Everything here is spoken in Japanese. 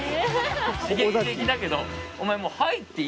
刺激的だけどお前